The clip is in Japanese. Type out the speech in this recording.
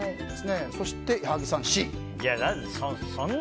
そして矢作さん、Ｃ。